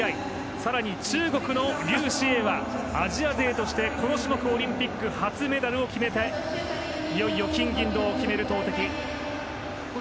更に中国のリュウ・シエイはアジア勢として、この種目オリンピック初メダルを決めて、いよいよ金、銀、銅を決める投てき。